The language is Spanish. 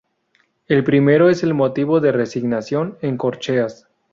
El primero es el motivo de resignación en corcheas.